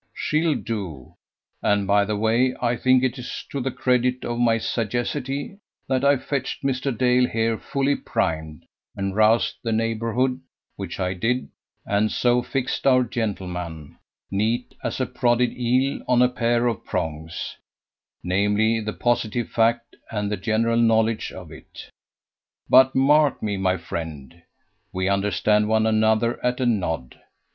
She'll do. And, by the way, I think it's to the credit of my sagacity that I fetched Mr. Dale here fully primed, and roused the neighbourhood, which I did, and so fixed our gentleman, neat as a prodded eel on a pair of prongs namely, the positive fact and the general knowledge of it. But, mark me, my friend. We understand one another at a nod.